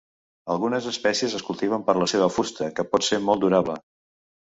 Algunes espècies es cultiven per la seva fusta, que pot ser molt durable.